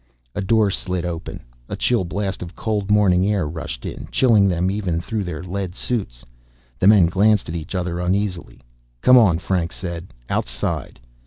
A door slid open. A chill blast of cold morning air rushed in, chilling them even through their lead suits. The men glanced at each other uneasily. "Come on," Franks said. "Outside."